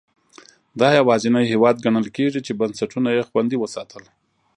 دا یوازینی هېواد ګڼل کېږي چې بنسټونه یې خوندي وساتل.